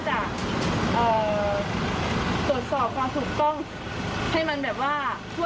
ทางนี้โทรประสานงานทุกที่แล้วค่ะ